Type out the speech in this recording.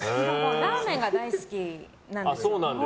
ラーメンが大好きなんです。